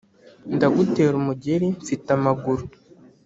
ndagutera umugeri mfite amaguru.